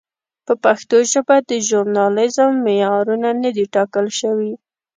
په پښتو ژبه د ژورنالېزم معیارونه نه دي ټاکل شوي.